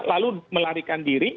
lalu melarikan diri